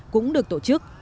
cũng được tổ chức